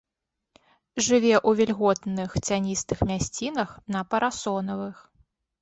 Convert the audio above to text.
Жыве ў вільготных цяністых мясцінах на парасонавых.